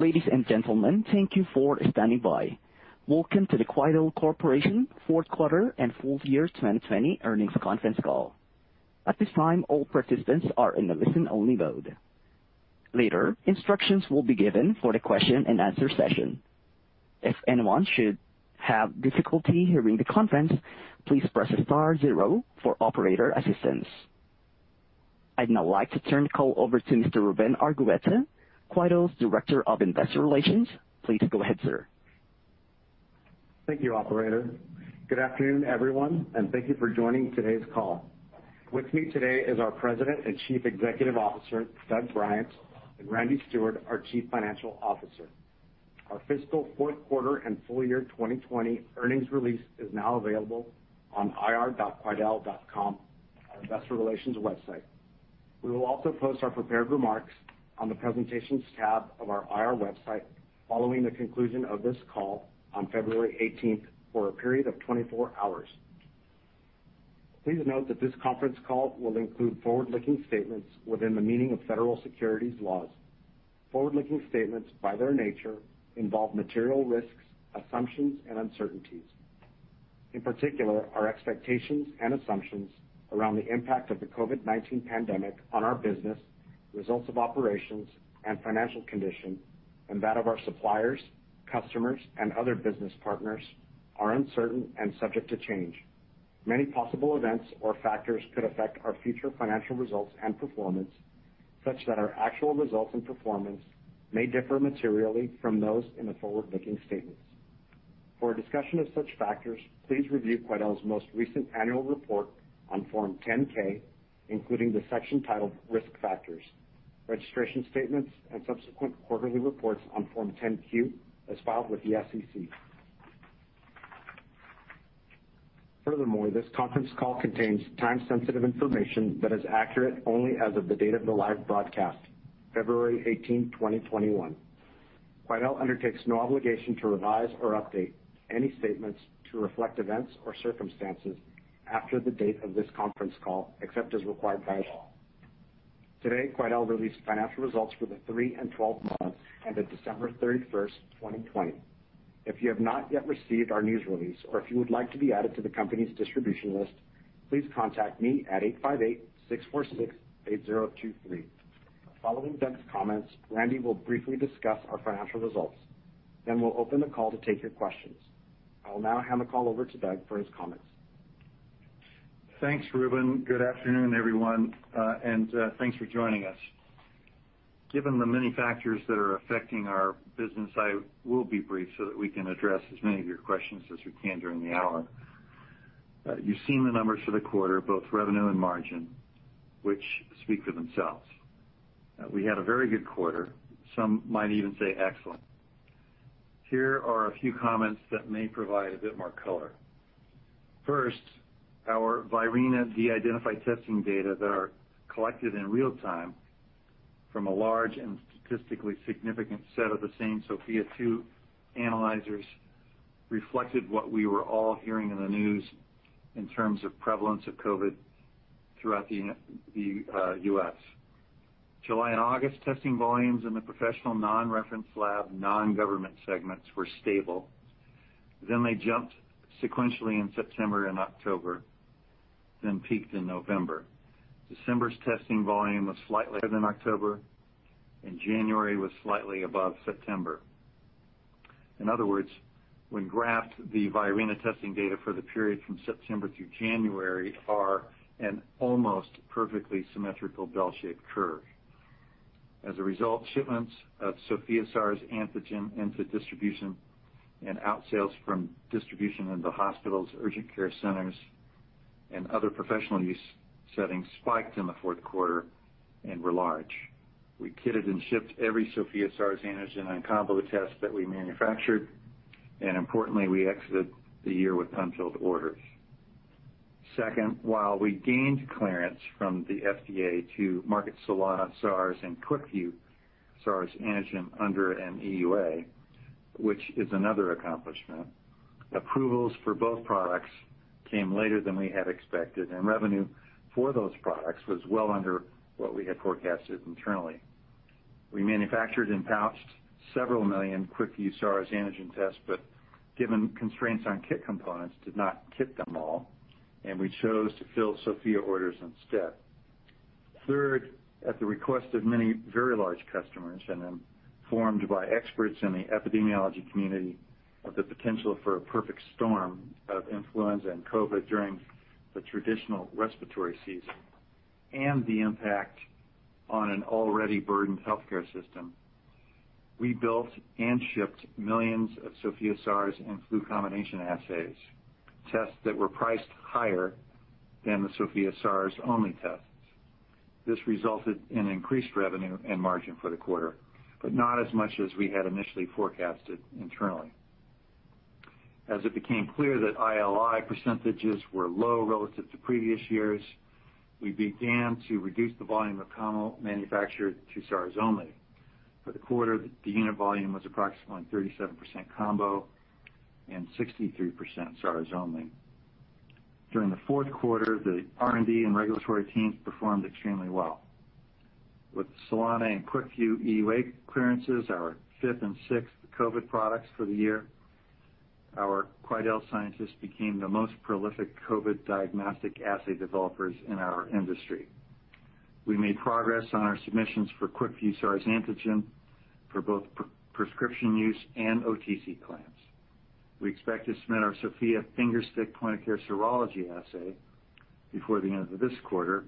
Ladies and gentlemen, thank you for standing by. Welcome to the Quidel Corporation Fourth Quarter and Full Year 2020 Earnings Conference Call. At this time, all participants are in a listen-only mode. Later, instructions will be given for the question and answer session. If anyone should have difficulty hearing the conference, please press star zero for operator assistance. I'd now like to turn the call over to Mr. Ruben Argueta, Quidel's Director of Investor Relations. Please go ahead, sir. Thank you, operator. Good afternoon, everyone, and thank you for joining today's call. With me today is our President and Chief Executive Officer, Doug Bryant, and Randy Steward, our Chief Financial Officer. Our fiscal fourth quarter and full-year 2020 earnings release is now available on ir.quidel.com, our investor relations website. We will also post our prepared remarks on the presentations tab of our IR website following the conclusion of this call on February 18th for a period of 24 hours. Please note that this conference call will include forward-looking statements within the meaning of federal securities laws. Forward-looking statements, by their nature, involve material risks, assumptions, and uncertainties. In particular, our expectations and assumptions around the impact of the COVID-19 pandemic on our business, results of operations, and financial condition, and that of our suppliers, customers, and other business partners, are uncertain and subject to change. Many possible events or factors could affect our future financial results and performance, such that our actual results and performance may differ materially from those in the forward-looking statements. For a discussion of such factors, please review Quidel's most recent annual report on Form 10-K, including the section titled Risk Factors, registration statements, and subsequent quarterly reports on Form 10-Q as filed with the SEC. Furthermore, this conference call contains time-sensitive information that is accurate only as of the date of the live broadcast, February 18, 2021. Quidel undertakes no obligation to revise or update any statements to reflect events or circumstances after the date of this conference call, except as required by law. Today, Quidel released financial results for the 3 and 12 months ended December 31st, 2020. If you have not yet received our news release, or if you would like to be added to the company's distribution list, please contact me at 858-646-8023. Following Doug's comments, Randy will briefly discuss our financial results. We'll open the call to take your questions. I will now hand the call over to Doug for his comments. Thanks, Ruben. Good afternoon, everyone. Thanks for joining us. Given the many factors that are affecting our business, I will be brief so that we can address as many of your questions as we can during the hour. You've seen the numbers for the quarter, both revenue and margin, which speak for themselves. We had a very good quarter. Some might even say excellent. Here are a few comments that may provide a bit more color. First, our VIRENA de-identified testing data that are collected in real time from a large and statistically significant set of the same Sofia 2 analyzers reflected what we were all hearing in the news in terms of prevalence of COVID throughout the U.S. July and August testing volumes in the professional non-reference lab, non-government segments were stable. They jumped sequentially in September and October, then peaked in November. December's testing volume was slightly higher than October, and January was slightly above September. In other words, when graphed, the VIRENA testing data for the period from September through January are an almost perfectly symmetrical bell-shaped curve. As a result, shipments of Sofia SARS Antigen into distribution and out sales from distribution into hospitals, urgent care centers, and other professional use settings spiked in the fourth quarter and were large. We kitted and shipped every Sofia SARS Antigen and combo test that we manufactured, and importantly, we exited the year with unfilled orders. Second, while we gained clearance from the FDA to market Solana SARS and QuickVue SARS Antigen under an EUA, which is another accomplishment, approvals for both products came later than we had expected, and revenue for those products was well under what we had forecasted internally. We manufactured and pouched several million QuickVue SARS Antigen Test, but given constraints on kit components, did not kit them all, and we chose to fill Sofia orders instead. Third, at the request of many very large customers, and informed by experts in the epidemiology community of the potential for a perfect storm of influenza and COVID-19 during the traditional respiratory season, and the impact on an already burdened healthcare system, we built and shipped millions of Sofia SARS and Flu combination assays, tests that were priced higher than the Sofia SARS-only tests. This resulted in increased revenue and margin for the quarter, but not as much as we had initially forecasted internally. As it became clear that ILI percentages were low relative to previous years, we began to reduce the volume of combo manufactured to SARS only. For the quarter, the unit volume was approximately 37% combo and 63% SARS only. During the fourth quarter, the R&D and regulatory teams performed extremely well. With th`e Solana and QuickVue EUA clearances, our fifth and sixth COVID products for the year, our Quidel scientists became the most prolific COVID diagnostic assay developers in our industry. We made progress on our submissions for QuickVue SARS antigen for both prescription use and OTC claims. We expect to submit our Sofia finger stick point-of-care serology assay before the end of this quarter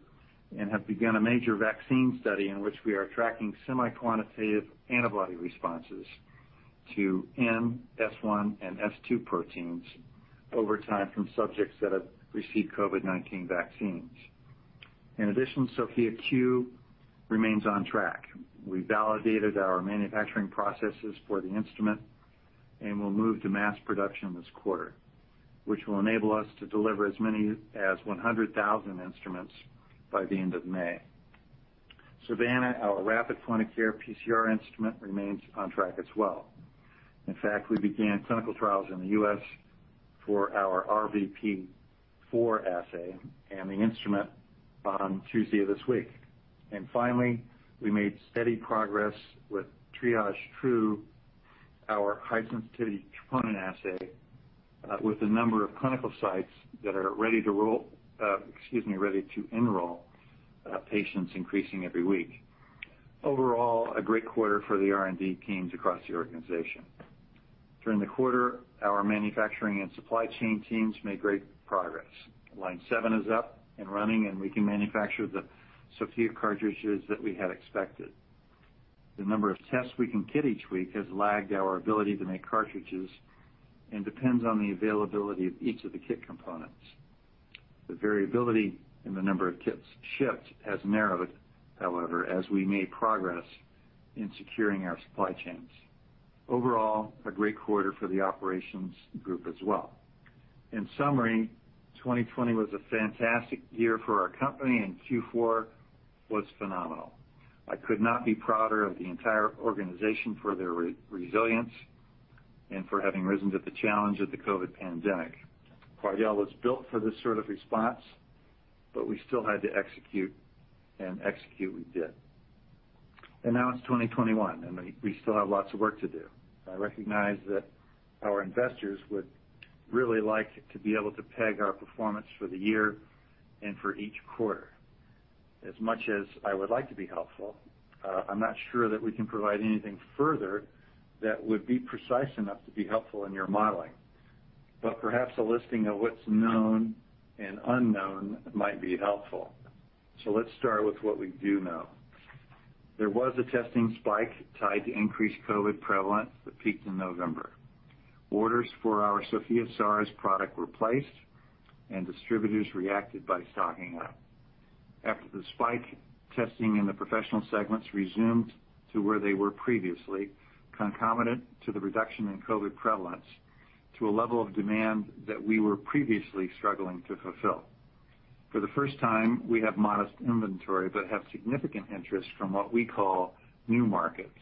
and have begun a major vaccine study in which we are tracking semi-quantitative antibody responses to N, S1, and S2 proteins over time from subjects that have received COVID-19 vaccines. Sofia Q remains on track. We validated our manufacturing processes for the instrument, will move to mass production this quarter, which will enable us to deliver as many as 100,000 instruments by the end of May. Savanna, our rapid point-of-care PCR instrument, remains on track as well. In fact, we began clinical trials in the U.S. for our RVP4 assay and the instrument on Tuesday of this week. Finally, we made steady progress with TriageTrue, our high-sensitivity troponin assay, with the number of clinical sites that are ready to enroll patients increasing every week. Overall, a great quarter for the R&D teams across the organization. During the quarter, our manufacturing and supply chain teams made great progress. Line seven is up and running, and we can manufacture the Sofia cartridges that we had expected. The number of tests we can kit each week has lagged our ability to make cartridges and depends on the availability of each of the kit components. The variability in the number of kits shipped has narrowed, however, as we made progress in securing our supply chains. Overall, a great quarter for the operations group as well. In summary, 2020 was a fantastic year for our company, and Q4 was phenomenal. I could not be prouder of the entire organization for their resilience and for having risen to the challenge of the COVID pandemic. Quidel was built for this sort of response, we still had to execute, and execute we did. Now it's 2021, and we still have lots of work to do. I recognize that our investors would really like to be able to peg our performance for the year and for each quarter. As much as I would like to be helpful, I'm not sure that we can provide anything further that would be precise enough to be helpful in your modeling. Perhaps a listing of what's known and unknown might be helpful. Let's start with what we do know. There was a testing spike tied to increased COVID-19 prevalence that peaked in November. Orders for our Sofia SARS product were placed, and distributors reacted by stocking up. After the spike, testing in the professional segments resumed to where they were previously, concomitant to the reduction in COVID-19 prevalence to a level of demand that we were previously struggling to fulfill. For the first time, we have modest inventory, but have significant interest from what we call new markets,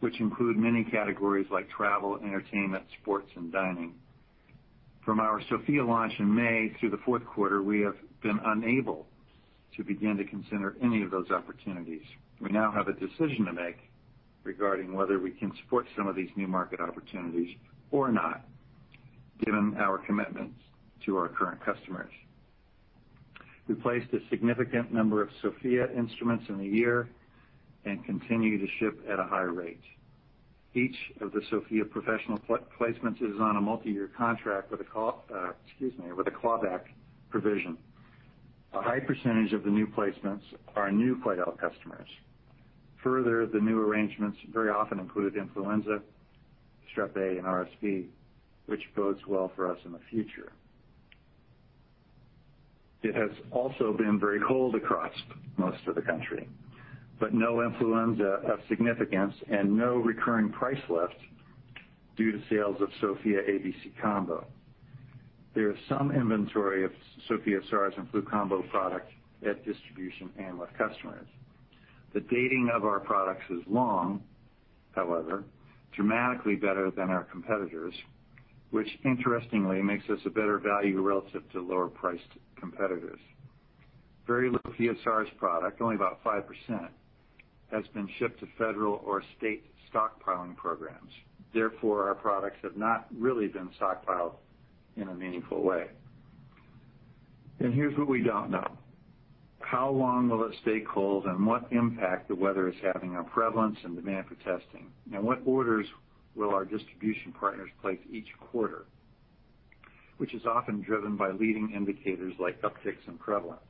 which include many categories like travel, entertainment, sports, and dining. From our Sofia launch in May through the fourth quarter, we have been unable to begin to consider any of those opportunities. We now have a decision to make regarding whether we can support some of these new market opportunities or not, given our commitments to our current customers. We placed a significant number of Sofia instruments in the year and continue to ship at a high-rate. Each of the Sofia professional placements is on a multi-year contract with a clawback provision. A high percentage of the new placements are new Quidel customers. The new arrangements very often include influenza, Strep A, and RSV, which bodes well for us in the future. It has also been very cold across most of the country, but no influenza of significance and no recurring price lift due to sales of Sofia ABC combo. There is some inventory of Sofia SARS and Flu Combo product at distribution and with customers. The dating of our products is long, however, dramatically better than our competitors, which interestingly makes us a better value relative to lower-priced competitors. Very little SARS product, only about 5%, has been shipped to federal or state stockpiling programs. Therefore, our products have not really been stockpiled in a meaningful way. Here's what we don't know. How long will it stay cold, and what impact the weather is having on prevalence and demand for testing? What orders will our distribution partners place each quarter, which is often driven by leading indicators like upticks in prevalence?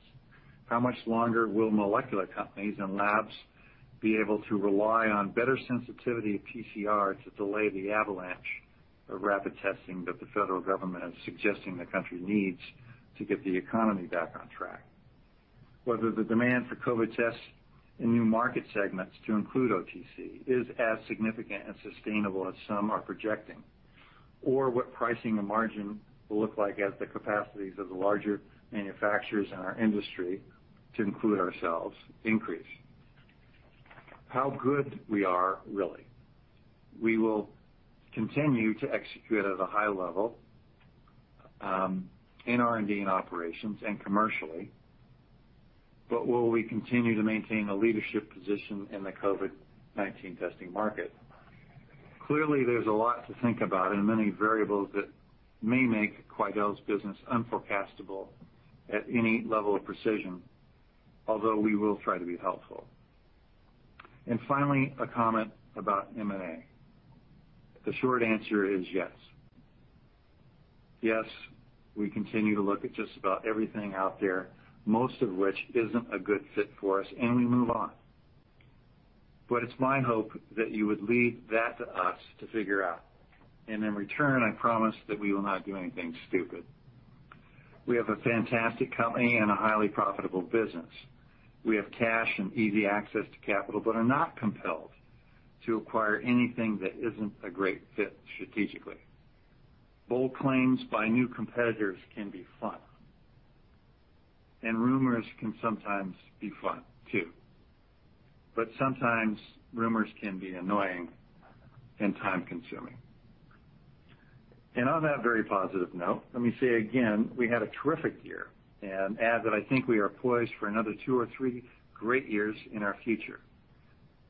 How much longer will molecular companies and labs be able to rely on better sensitivity of PCR to delay the avalanche of rapid testing that the federal government is suggesting the country needs to get the economy back on track? Whether the demand for COVID tests in new market segments, to include OTC, is as significant and sustainable as some are projecting, or what pricing and margin will look like as the capacities of the larger manufacturers in our industry, to include ourselves, increase. How good we are, really. We will continue to execute at a high level in R&D and operations and commercially. Will we continue to maintain a leadership position in the COVID-19 testing market? Clearly, there's a lot to think about and many variables that may make Quidel's business unforecastable at any level of precision, although we will try to be helpful. Finally, a comment about M&A. The short answer is yes. Yes, we continue to look at just about everything out there, most of which isn't a good fit for us, and we move on. It's my hope that you would leave that to us to figure out. In return, I promise that we will not do anything stupid. We have a fantastic company and a highly profitable business. We have cash and easy access to capital, are not compelled to acquire anything that isn't a great fit strategically. Bold claims by new competitors can be fun. Rumors can sometimes be fun too. Sometimes rumors can be annoying and time-consuming. On that very positive note, let me say again, we had a terrific year and add that I think we are poised for another two or three great years in our future.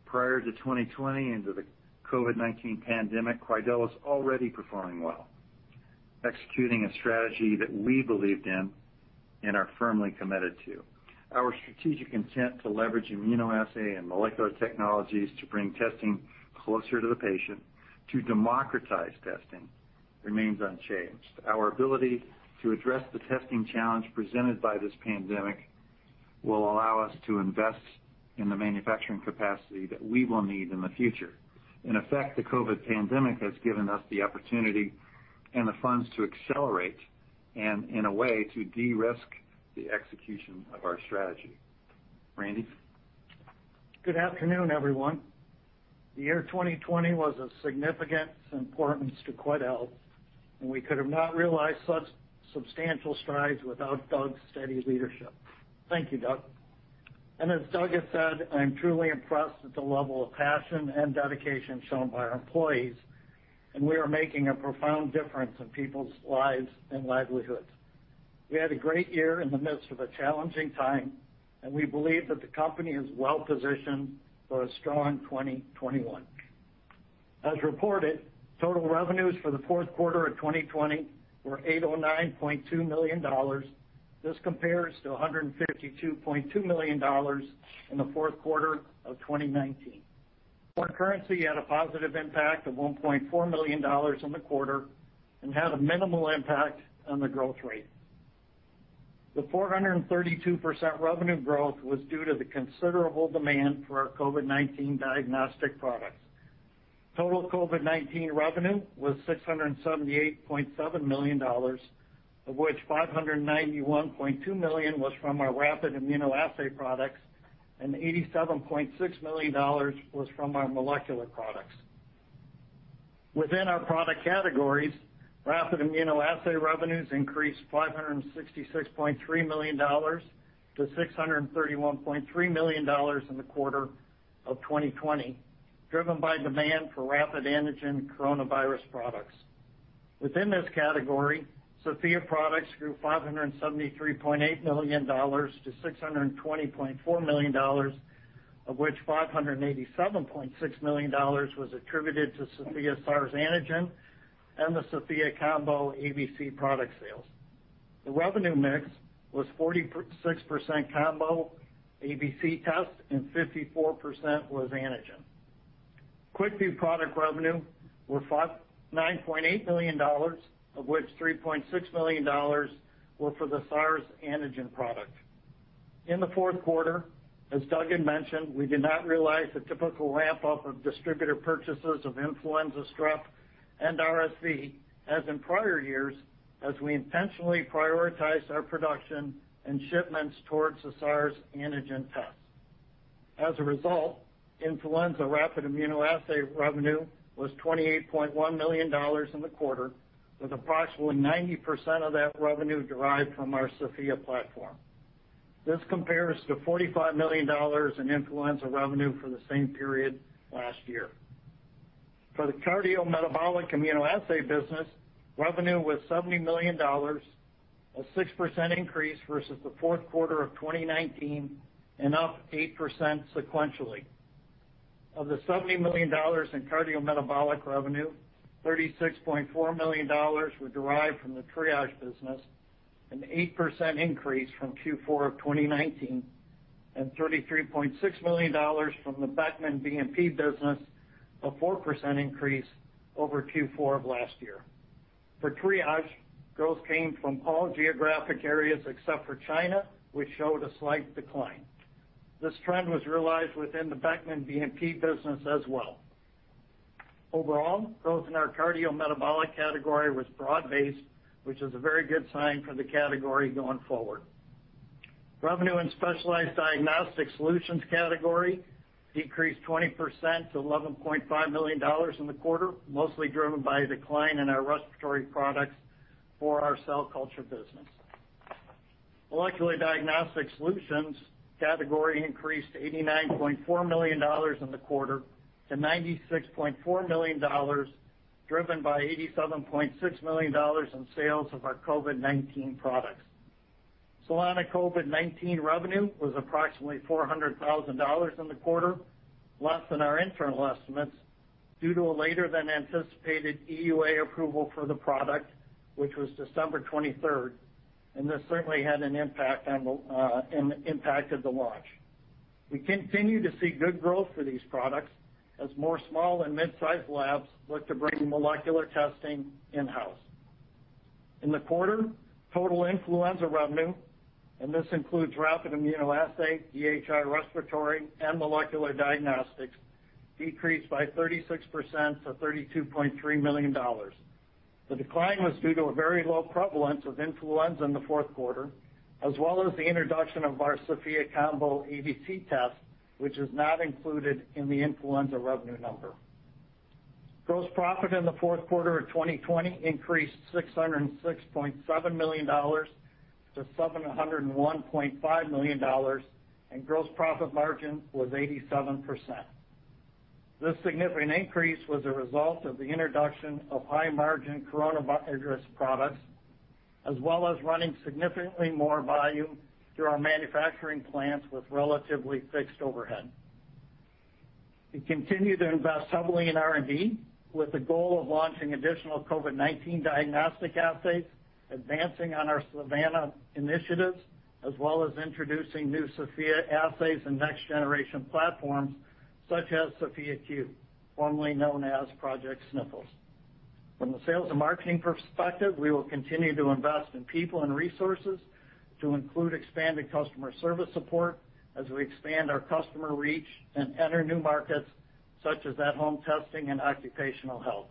Prior to 2020 and to the COVID-19 pandemic, Quidel was already performing well, executing a strategy that we believed in and are firmly committed to. Our strategic intent to leverage immunoassay and molecular technologies to bring testing closer to the patient, to democratize testing, remains unchanged. Our ability to address the testing challenge presented by this pandemic will allow us to invest in the manufacturing capacity that we will need in the future. In effect, the COVID pandemic has given us the opportunity and the funds to accelerate and, in a way, to de-risk the execution of our strategy. Randy? Good afternoon, everyone. The year 2020 was of significance and importance to Quidel, and we could have not realized such substantial strides without Doug's steady leadership. Thank you, Doug. As Doug has said, I'm truly impressed at the level of passion and dedication shown by our employees, and we are making a profound difference in people's lives and livelihoods. We had a great year in the midst of a challenging time, and we believe that the company is well-positioned for a strong 2021. As reported, total revenues for the fourth quarter of 2020 were $809.2 million. This compares to $152.2 million in the fourth quarter of 2019. Foreign currency had a positive impact of $1.4 million in the quarter and had a minimal impact on the growth rate. The 432% revenue growth was due to the considerable demand for our COVID-19 diagnostic products. Total COVID-19 revenue was $678.7 million, of which $591.2 million was from our rapid immunoassay products and $87.6 million was from our molecular products. Within our product categories, rapid immunoassay revenues increased $566.3 million to $631.3 million in the quarter of 2020, driven by demand for rapid antigen coronavirus products. Within this category, Sofia products grew $573.8 million to $620.4 million, of which $587.6 million was attributed to Sofia SARS antigen and the Sofia Combo ABC product sales. The revenue mix was 46% combo ABC tests and 54% was antigen. QuickVue product revenue were $59.8 million, of which $36.6 million were for the SARS antigen product. In the fourth quarter, as Doug had mentioned, we did not realize the typical ramp-up of distributor purchases of influenza strep and RSV as in prior-years, as we intentionally prioritized our production and shipments towards the SARS antigen test. As a result, influenza rapid immunoassay revenue was $28.1 million in the quarter, with approximately 90% of that revenue derived from our Sofia platform. This compares to $45 million in influenza revenue for the same period last year. For the cardiometabolic immunoassay business, revenue was $70 million, a 6% increase versus the fourth quarter of 2019 and up 8% sequentially. Of the $70 million in cardiometabolic revenue, $36.4 million was derived from the Triage business, an 8% increase from Q4 of 2019, and $33.6 million from the Beckman BNP business, a 4% increase over Q4 of last year. For Triage, growth came from all geographic areas except for China, which showed a slight decline. This trend was realized within the Beckman BNP business as well. Overall, growth in our cardiometabolic category was broad-based, which is a very good sign for the category going forward. Revenue in specialized diagnostic solutions category decreased 20% to $11.5 million in the quarter, mostly driven by a decline in our respiratory products for our cell culture business. Molecular diagnostics solutions category increased to $89.4 million in the quarter to $96.4 million, driven by $87.6 million in sales of our COVID-19 products. Solana COVID-19 revenue was approximately $400,000 in the quarter, less than our internal estimates due to a later-than-anticipated EUA approval for the product, which was December 23rd, and this certainly had an impact on the launch. We continue to see good growth for these products as more small and mid-size labs look to bring molecular testing in-house. In the quarter, total influenza revenue, and this includes rapid immunoassay, DHI respiratory, and molecular diagnostics, decreased by 36% to $32.3 million. The decline was due to a very low prevalence of influenza in the fourth quarter, as well as the introduction of our Sofia Combo ABC test, which is not included in the influenza revenue number. Gross profit in the fourth quarter of 2020 increased $606.7 million to $701.5 million. Gross profit margin was 87%. This significant increase was a result of the introduction of high-margin coronavirus products, as well as running significantly more volume through our manufacturing plants with relatively fixed overhead. We continue to invest heavily in R&D with the goal of launching additional COVID-19 diagnostic assays, advancing on our Savanna initiatives, as well as introducing new Sofia assays and next-generation platforms such as Sofia Q, formerly known as Project Sniffles. From the sales and marketing perspective, we will continue to invest in people and resources to include expanded customer service support as we expand our customer reach and enter new markets such as at-home testing and occupational health.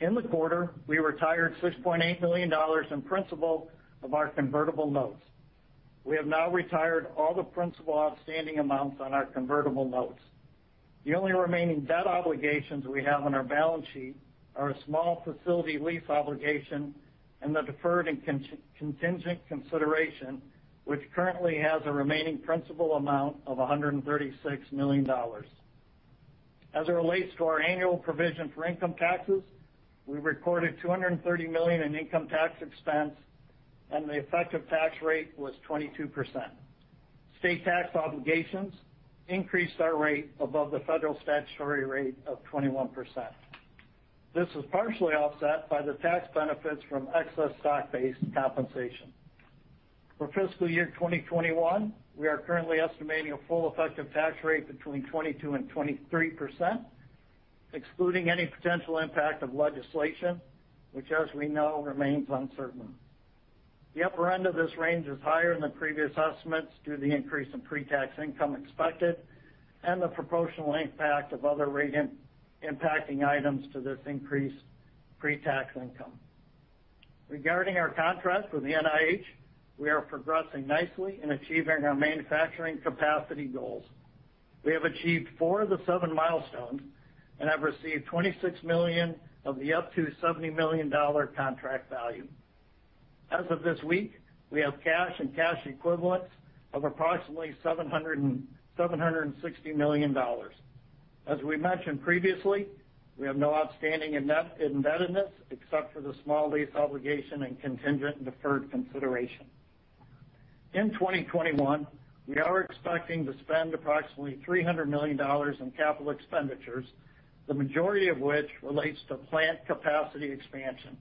In the quarter, we retired $6.8 million in principal of our convertible notes. We have now retired all the principal outstanding amounts on our convertible notes. The only remaining debt obligations we have on our balance sheet are a small facility lease obligation and the deferred and contingent consideration, which currently has a remaining principal amount of $136 million. As it relates to our annual provision for income taxes, we recorded $230 million in income tax expense, and the effective tax-rate was 22%. State tax obligations increased our rate above the federal statutory rate of 21%. This was partially offset by the tax benefits from excess stock-based compensation. For fiscal year 2021, we are currently estimating a full effective tax-rate between 22% and 23%, excluding any potential impact of legislation, which, as we know, remains uncertain. The upper end of this range is higher than previous estimates due to the increase in pre-tax income expected and the proportional impact of other impacting items to this increased pre-tax income. Regarding our contract with the NIH, we are progressing nicely in achieving our manufacturing capacity goals. We have achieved four of the seven milestones and have received $26 million of the up to $70 million contract value. As of this week, we have cash and cash equivalents of approximately $760 million. As we mentioned previously, we have no outstanding indebtedness except for the small lease obligation and contingent deferred consideration. In 2021, we are expecting to spend approximately $300 million in capital expenditures, the majority of which relates to plant capacity expansion.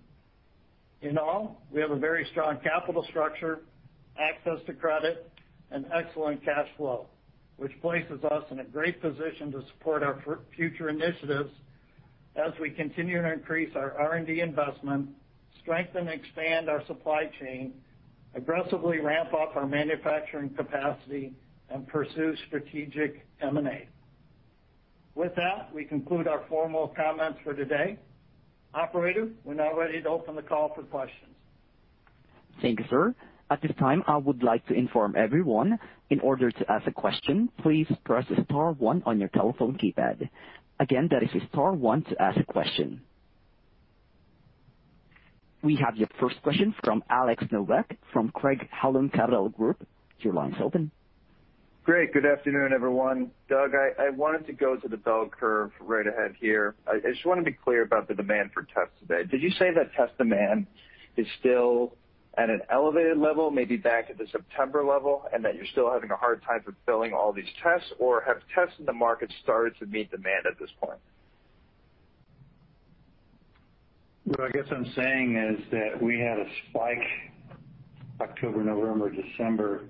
In all, we have a very strong capital structure, access to credit, and excellent cash flow, which places us in a great position to support our future initiatives as we continue to increase our R&D investment, strengthen and expand our supply chain, aggressively ramp-up our manufacturing capacity, and pursue strategic M&A. With that, we conclude our formal comments for today. Operator, we're now ready to open the call for questions. Thank you, sir. At this time, I would like to inform everyone, in order to ask a question, please press star one on your telephone keypad. Again, that is star one to ask a question. We have your first question from Alex Nowak from Craig-Hallum Capital Group. Your line's open. Great, good afternoon, everyone. Doug, I wanted to go to the bell curve right ahead here. I just want to be clear about the demand for tests today. Did you say that test demand is still at an elevated level, maybe back at the September level, and that you're still having a hard time fulfilling all these tests? Or have tests in the market started to meet demand at this point? What I guess I'm saying is that we had a spike October, November, December.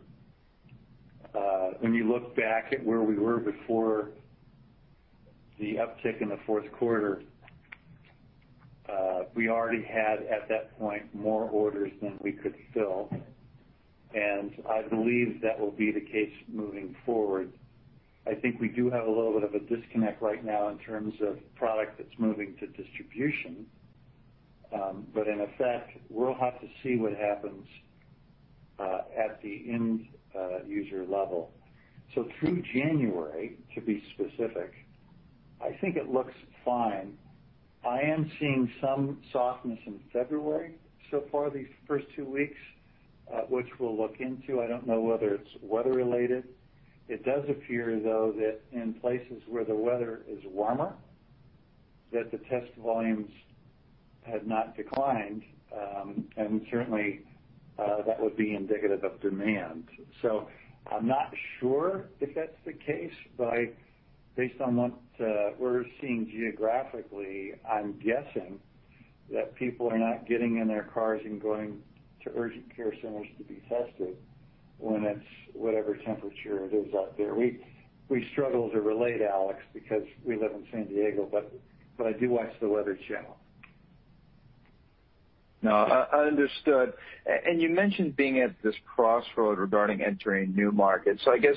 When you look back at where we were before the uptick in the fourth quarter, we already had, at that point, more orders than we could fill. I believe that will be the case moving forward. I think we do have a little bit of a disconnect right now in terms of product that's moving to distribution. In effect, we'll have to see what happens at the end user level. Through January, to be specific. I think it looks fine. I am seeing some softness in February so far these first two weeks, which we'll look into. I don't know whether it's weather-related. It does appear, though, that in places where the weather is warmer, that the test volumes have not declined, and certainly, that would be indicative of demand. I'm not sure if that's the case, but based on what we're seeing geographically, I'm guessing that people are not getting in their cars and going to urgent care centers to be tested when it's whatever temperature it is out there. We struggle to relate, Alex, because we live in San Diego, but I do watch The Weather Channel. No, understood. You mentioned being at this crossroad regarding entering new markets. I guess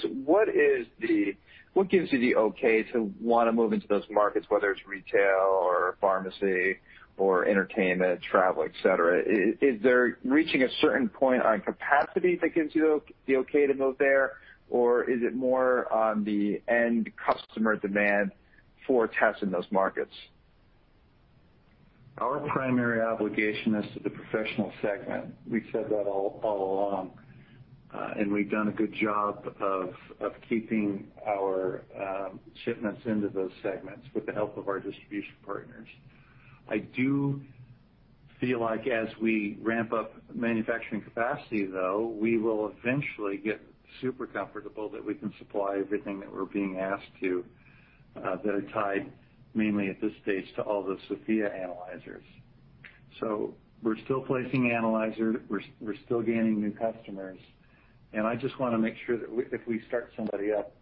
what gives you the okay to want to move into those markets, whether it's retail or pharmacy or entertainment, travel, et cetera? Is there reaching a certain point on capacity that gives you the okay to move there, or is it more on the end customer demand for tests in those markets? Our primary obligation is to the professional segment. We've said that all along. We've done a good job of keeping our shipments into those segments with the help of our distribution partners. I do feel like as we ramp-up manufacturing capacity, though, we will eventually get super comfortable that we can supply everything that we're being asked to that are tied mainly at this stage to all the Sofia analyzers. We're still placing analyzers, we're still gaining new customers. I just want to make sure that if we start somebody up,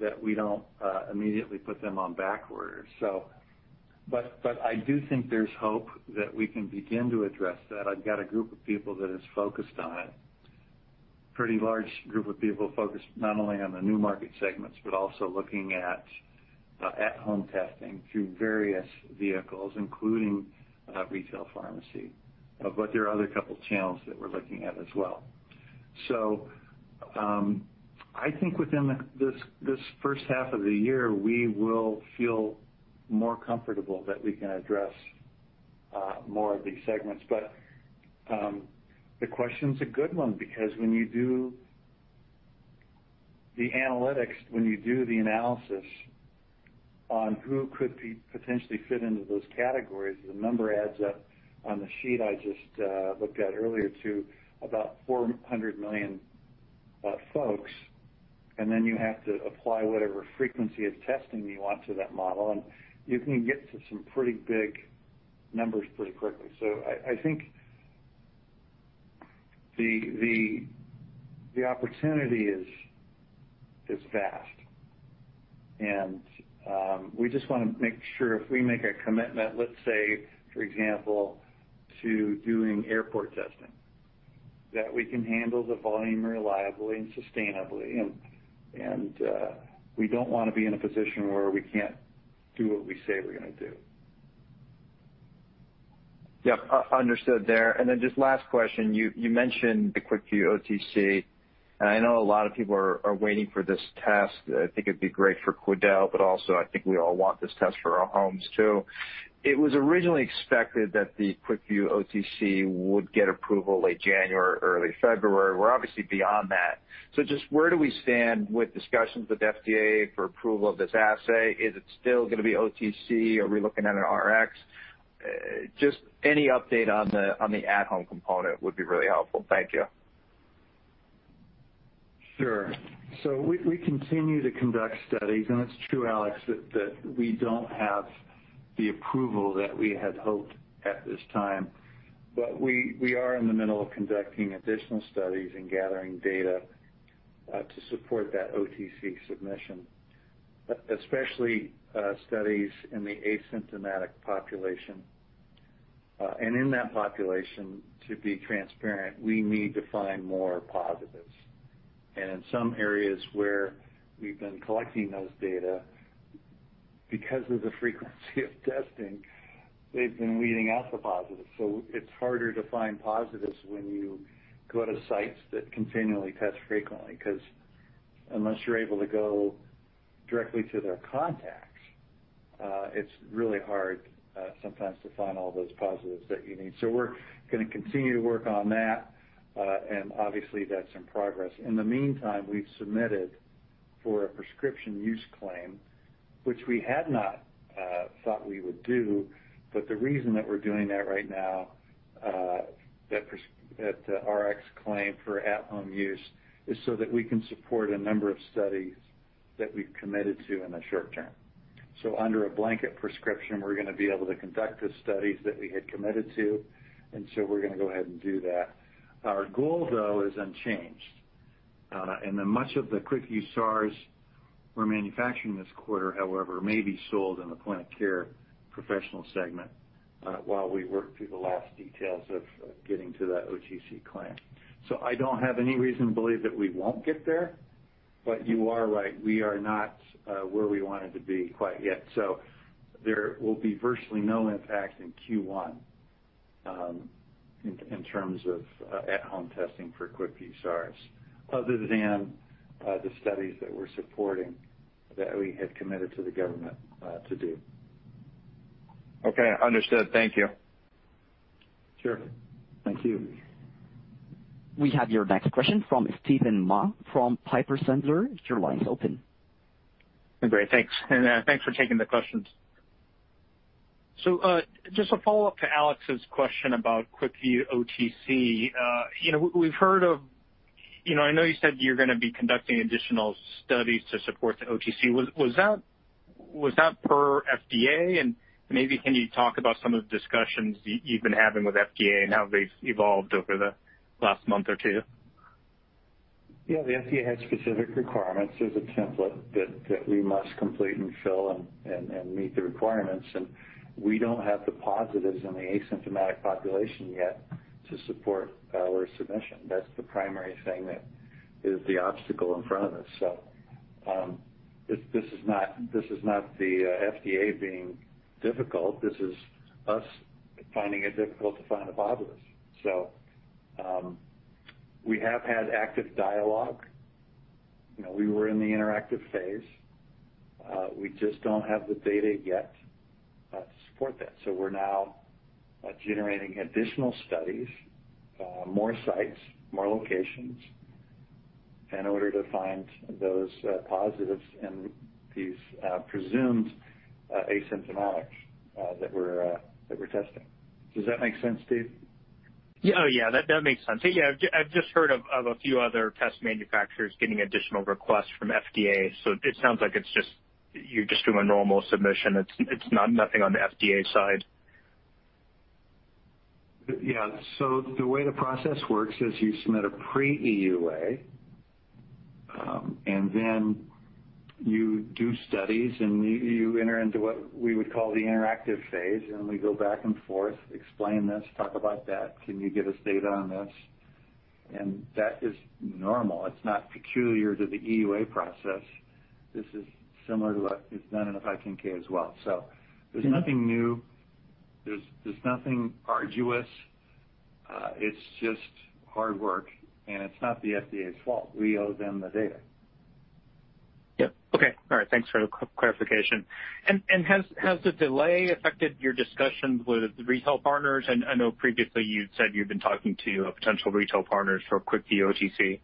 that we don't immediately put them on back orders. I do think there's hope that we can begin to address that. I've got a group of people that is focused on it. Pretty large group of people focused not only on the new market segments, but also looking at at-home testing through various vehicles, including retail pharmacy. There are other couple channels that we're looking at as well. I think within this first half of the year, we will feel more comfortable that we can address more of these segments. The question's a good one, because when you do the analytics, when you do the analysis on who could potentially fit into those categories, the number adds up on the sheet I just looked at earlier to about $400 million folks, and then you have to apply whatever frequency of testing you want to that model, and you can get to some pretty big numbers pretty quickly. I think the opportunity is vast, and we just want to make sure if we make a commitment, let's say, for example, to doing airport testing, that we can handle the volume reliably and sustainably, and we don't want to be in a position where we can't do what we say we're going to do. Yep. Understood there. Just last question, you mentioned the QuickVue OTC, and I know a lot of people are waiting for this test. I think it'd be great for Quidel, but also, I think we all want this test for our homes, too. It was originally expected that the QuickVue OTC would get approval late January or early February. We're obviously beyond that. Just where do we stand with discussions with FDA for approval of this assay? Is it still going to be OTC? Are we looking at an RX? Just any update on the at-home component would be really helpful. Thank you. Sure. We continue to conduct studies, and it's true, Alex, that we don't have the approval that we had hoped at this time. We are in the middle of conducting additional studies and gathering data to support that OTC submission, especially studies in the asymptomatic population. In that population, to be transparent, we need to find more positives. In some areas where we've been collecting those data, because of the frequency of testing, they've been weeding out the positives. It's harder to find positives when you go to sites that continually test frequently, because unless you're able to go directly to their contacts, it's really hard sometimes to find all those positives that you need. We're going to continue to work on that, and obviously, that's in progress. In the meantime, we've submitted for a prescription use claim, which we had not thought we would do, but the reason that we're doing that right now, that RX claim for at-home use, is so that we can support a number of studies that we've committed to in the short-term. Under a blanket prescription, we're going to be able to conduct the studies that we had committed to, and so we're going to go ahead and do that. Our goal, though, is unchanged. Much of the QuickVue SARS we're manufacturing this quarter, however, may be sold in the point-of-care professional segment while we work through the last details of getting to that OTC claim. I don't have any reason to believe that we won't get there, but you are right. We are not where we wanted to be quite yet. There will be virtually no impact in Q1. In terms of at-home testing for QuickVue SARS, other than the studies that we're supporting that we had committed to the government to do. Okay, understood. Thank you. Sure. Thank you. We have your next question from Steven Mah from Piper Sandler. Your line's open. Great. Thanks. Thanks for taking the questions. Just a follow-up to Alex's question about QuickVue OTC. I know you said you're going to be conducting additional studies to support the OTC. Was that per FDA? Maybe can you talk about some of the discussions you've been having with FDA and how they've evolved over the last month or two? Yeah, the FDA has specific requirements. There's a template that we must complete and fill and meet the requirements. We don't have the positives in the asymptomatic population yet to support our submission. That's the primary thing that is the obstacle in front of us. This is not the FDA being difficult. This is us finding it difficult to find the positives. We have had active dialogue. We were in the interactive phase. We just don't have the data yet to support that. We're now generating additional studies, more sites, more locations in order to find those positives in these presumed asymptomatic that we're testing. Does that make sense, Steve? Yeah, that makes sense. I've just heard of a few other test manufacturers getting additional requests from FDA. It sounds like you're just doing normal submission. It's nothing on the FDA side. Yeah. The way the process works is you submit a pre-EUA, and then you do studies, and you enter into what we would call the interactive phase, and we go back and forth, explain this, talk about that. Can you give us data on this? That is normal. It's not peculiar to the EUA process. This is similar to what is done in a 510 as well. There's nothing new. There's nothing arduous. It's just hard work, and it's not the FDA's fault. We owe them the data. Yep. Okay. All right. Thanks for the clarification. Has the delay affected your discussions with retail partners? I know previously you said you've been talking to potential retail partners for QuickVue OTC.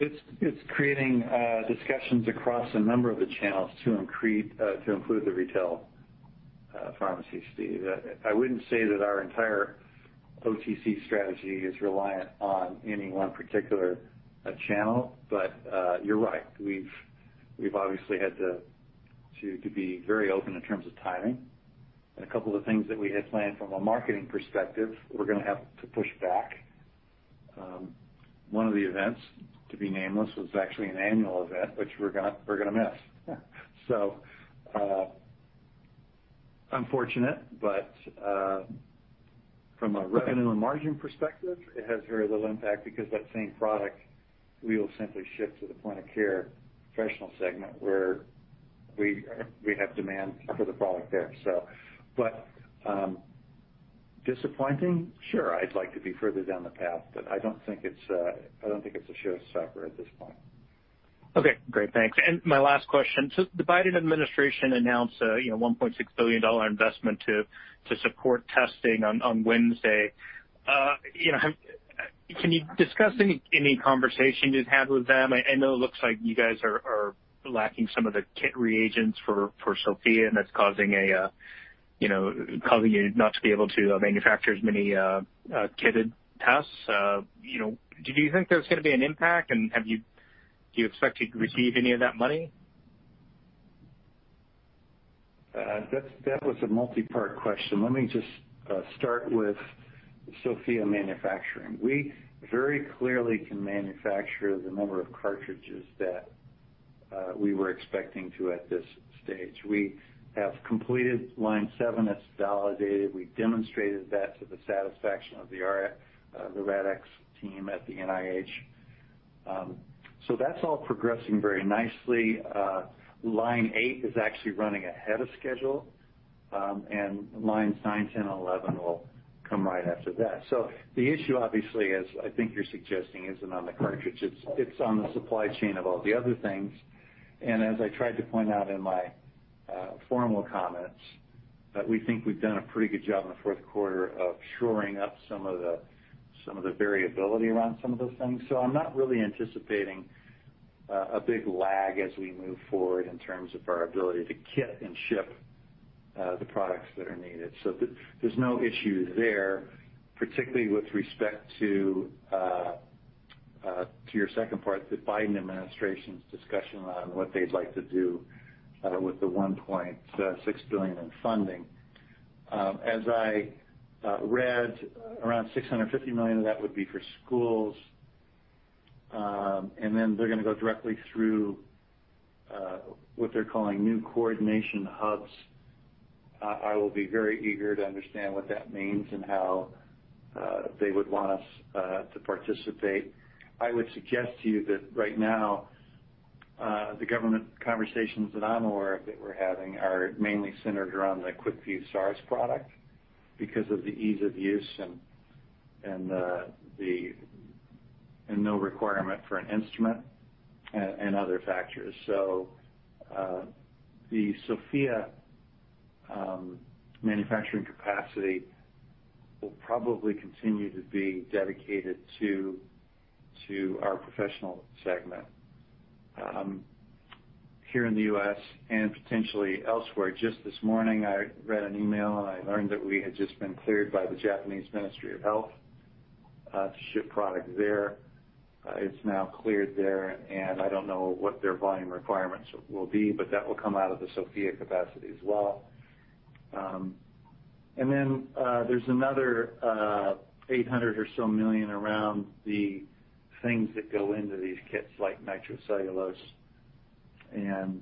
It's creating discussions across a number of the channels to include the retail pharmacy, Steve. I wouldn't say that our entire OTC strategy is reliant on any one particular channel, but you're right. We've obviously had to be very open in terms of timing, and a couple of things that we had planned from a marketing perspective, we're going to have to push back. One of the events, to be nameless, was actually an annual event, which we're going to miss. Unfortunate, but from a revenue and margin perspective, it has very little impact because that same product we will simply shift to the point-of-care professional segment where we have demand for the product there. Disappointing? Sure, I'd like to be further down the path, but I don't think it's a showstopper at this point. Okay, great. Thanks. My last question. The Biden administration announced a $1.6 billion investment to support testing on Wednesday. Can you discuss any conversation you've had with them? I know it looks like you guys are lacking some of the kit reagents for Sofia, and that's causing you not to be able to manufacture as many kitted tests. Do you think there's going to be an impact, and do you expect to receive any of that money? That was a multi-part question. Let me just start with Sofia manufacturing. We very clearly can manufacture the number of cartridges that we were expecting to at this stage. We have completed line seven. It's validated. We demonstrated that to the satisfaction of the RADx team at the NIH. That's all progressing very nicely. Line eight is actually running ahead of schedule, lines 9, 10, and 11 will come right after that. The issue, obviously, as I think you're suggesting, isn't on the cartridge. It's on the supply chain of all the other things. As I tried to point out in my formal comments, that we think we've done a pretty good job in the fourth quarter of shoring up some of the variability around some of those things. I'm not really anticipating a big lag as we move forward in terms of our ability to kit and ship the products that are needed. There's no issue there, particularly with respect to your second part, the Biden administration's discussion on what they'd like to do with the $1.6 billion in funding. As I read, around $650 million of that would be for schools, they're going to go directly through what they're calling new coordination hubs. I will be very eager to understand what that means and how they would want us to participate. I would suggest to you that right now. The government conversations that I'm aware of that we're having are mainly centered around the QuickVue SARS product because of the ease of use and no requirement for an instrument, and other factors. The Sofia manufacturing capacity will probably continue to be dedicated to our professional segment here in the U.S. and potentially elsewhere. Just this morning, I read an email, and I learned that we had just been cleared by the Japanese Ministry of Health to ship product there. It's now cleared there, and I don't know what their volume requirements will be, but that will come out of the Sofia capacity as well. There's another $800 million or so around the things that go into these kits, like nitrocellulose and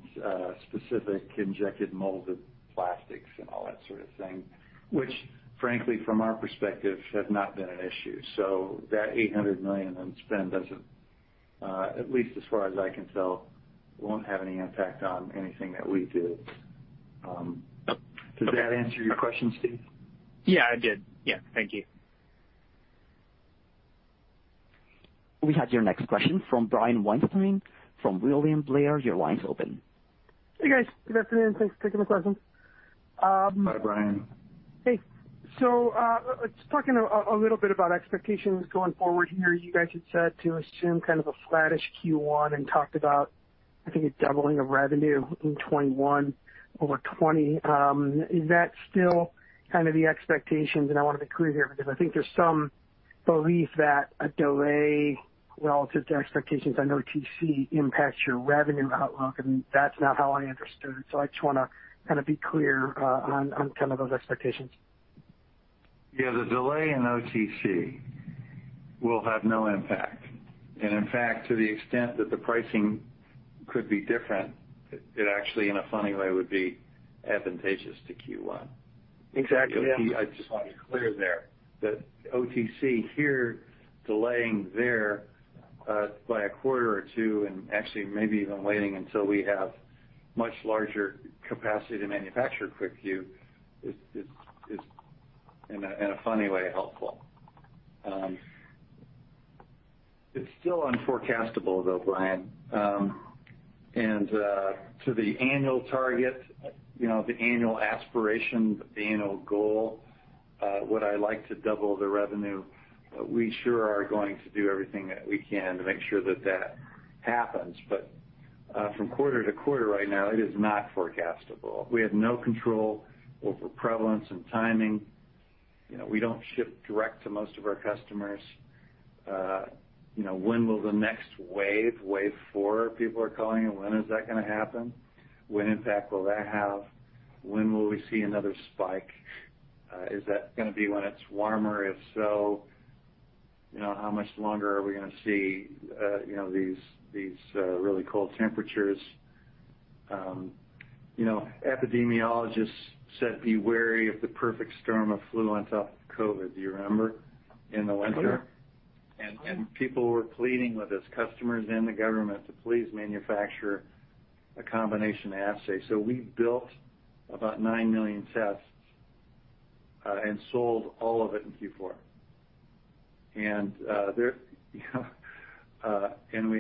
specific injected molded plastics and all that sort of thing, which frankly, from our perspective, have not been an issue. That $800 million in spend doesn't, at least as far as I can tell, won't have any impact on anything that we do. Does that answer your question, Steve? Yeah, it did. Yeah. Thank you. We have your next question from Brian Weinstein from William Blair. Your line's open. Hey, guys. Good afternoon. Thanks for taking my questions. Hi, Brian. Hey. Just talking a little bit about expectations going forward here. You guys had said to assume kind of a flattish Q1 and talked about, I think, a doubling of revenue in 2021 over 2020. Is that still kind of the expectations? I want to be clear here, because I think there's some belief that a delay relative to expectations on OTC impacts your revenue outlook, and that's not how I understood it. I just want to kind of be clear on kind of those expectations. Yeah. The delay in OTC will have no impact. In fact, to the extent that the pricing could be different, it actually, in a funny way, would be advantageous to Q1. Exactly. I just want to be clear there, that OTC here, delaying there by a quarter or two and actually maybe even waiting until we have much larger capacity to manufacture QuickVue is, in a funny way, helpful. It's still unforecastable, though, Brian. To the annual target, the annual aspiration, the annual goal, would I like to double the revenue? We sure are going to do everything that we can to make sure that that happens. From quarter-to-quarter right now, it is not forecastable. We have no control over prevalence and timing. We don't ship direct to most of our customers. When will the next wave four, people are calling it, when is that going to happen? What impact will that have? When will we see another spike? Is that going to be when it's warmer? If so, how much longer are we going to see these really cold temperatures? Epidemiologists said be wary of the perfect storm of flu on top of COVID, do you remember in the winter? I do. People were pleading with us, customers and the government, to please manufacture a combination assay. We built about 9 million tests and sold all of it in Q4. We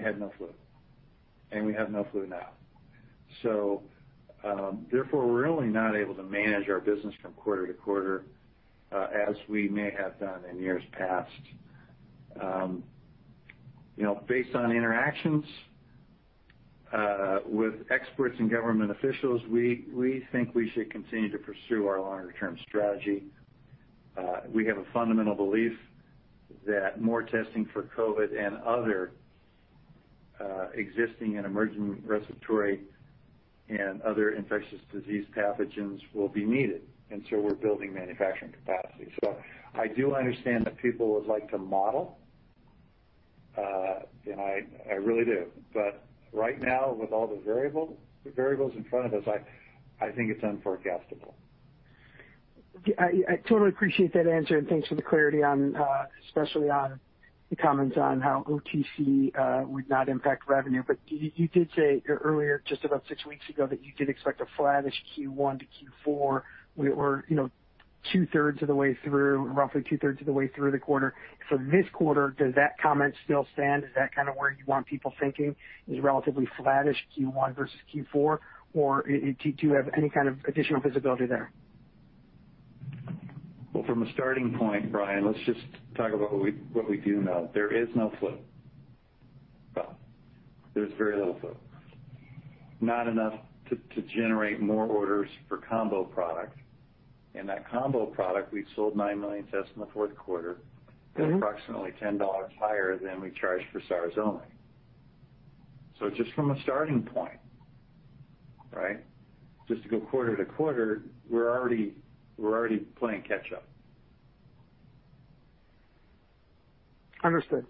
had no flu. We have no flu now. Therefore, we're really not able to manage our business from quarter-to-quarter as we may have done in years past. Based on interactions with experts and government officials, we think we should continue to pursue our longer-term strategy. We have a fundamental belief that more testing for COVID and other existing and emerging respiratory and other infectious disease pathogens will be needed. We're building manufacturing capacity. I do understand that people would like to model, and I really do. Right now, with all the variables in front of us, I think it's unforecastable. I totally appreciate that answer, and thanks for the clarity on, especially on the comments on how OTC would not impact revenue. You did say earlier, just about six weeks ago, that you did expect a flattish Q1 to Q4. We're two-thirds of the way through, roughly two-thirds of the way through the quarter. This quarter, does that comment still stand? Is that kind of where you want people thinking, is relatively flattish Q1 versus Q4, or do you have any kind of additional visibility there? Well, from a starting point, Brian, let's just talk about what we do know. There is no flu. Well, there's very little flu, not enough to generate more orders for combo products. That combo product, we've sold 9 million tests in the fourth quarter. At approximately $10 higher than we charge for SARS only. Just from a starting point, just to go quarter-to-quarter, we're already playing catch up. Understood.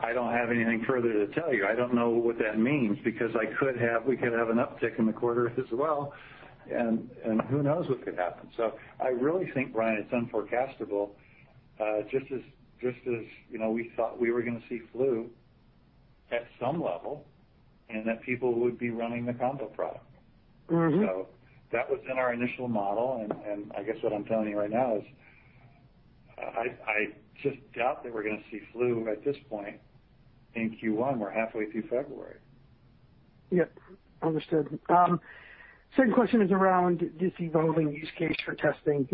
I don't have anything further to tell you. I don't know what that means, because we could have an uptick in the quarter as well, and who knows what could happen. I really think, Brian, it's unforecastable. Just as we thought we were going to see flu at some level and that people would be running the combo product. That was in our initial model, and I guess what I'm telling you right now is, I just doubt that we're going to see flu at this point in Q1. We're halfway through February. Yep. Understood. Second question is around this evolving use case for testing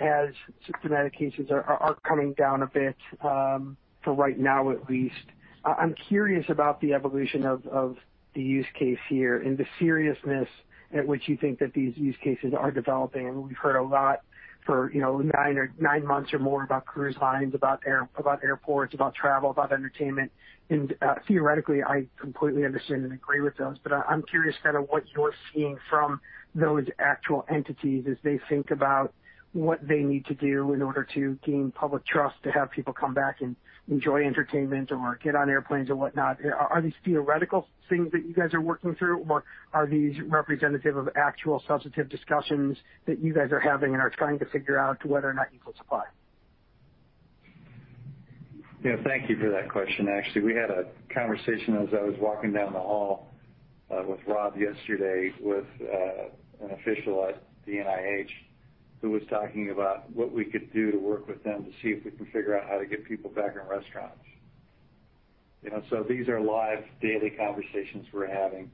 as symptomatic cases are coming down a bit, for right now at least. I'm curious about the evolution of the use case here and the seriousness at which you think that these use cases are developing. We've heard a lot for nine months or more about cruise lines, about airports, about travel, about entertainment, and theoretically, I completely understand and agree with those, but I'm curious what you're seeing from those actual entities as they think about what they need to do in order to gain public trust to have people come back and enjoy entertainment or get on airplanes and whatnot. Are these theoretical things that you guys are working through, or are these representative of actual substantive discussions that you guys are having and are trying to figure out whether or not you can supply? Thank you for that question. Actually, we had a conversation as I was walking down the hall with Rob yesterday with an official at the NIH who was talking about what we could do to work with them to see if we can figure out how to get people back in restaurants. These are live daily conversations we're having.